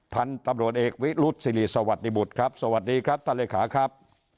พันธุ์ตำรวจเอกวิรุษศิริสวัสดีบุตรครับสวัสดีครับท่านเลขาครับ